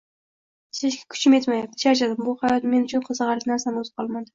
Yashashga kuchim etmayapti, charchadim, bu hayotda men uchun qiziqarli narsani o`zi qolmadi